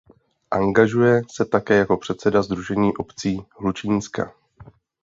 Angažuje se také jako předseda Sdružení obcí Hlučínska.